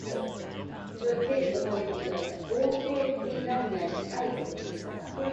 The newspaper claims to be "The First Newspaper Published In The World Every Day".